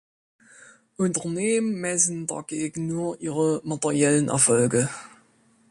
Unternehmen messen dagegen nur ihre materiellen Erfolge.